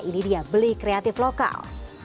ini dia beli kreatif lokal